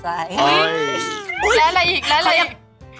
แล้วอะไรอีกแล้วอะไรอีก